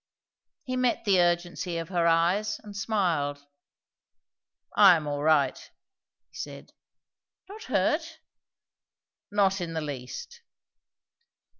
He met the urgency of her eyes and smiled. "I am all right," he said. "Not hurt?" "Not in the least."